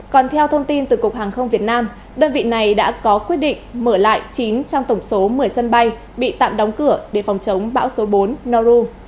còn theo thông tin từ cục hàng không việt nam đơn vị này đã có quyết định mở lại chín trong tổng số một mươi sân bay bị tạm đóng cửa để phòng chống bão số bốn nauru